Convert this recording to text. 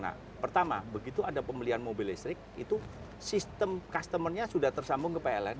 nah pertama begitu ada pembelian mobil listrik itu sistem customer nya sudah tersambung ke pln